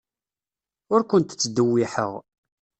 Ur kent-ttdewwiḥeɣ.